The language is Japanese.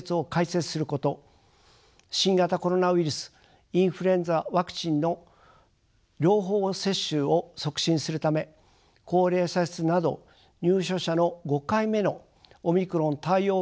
新型コロナウイルスインフルエンザワクチンの両方接種を促進するため高齢者施設など入所者の５回目のオミクロン対応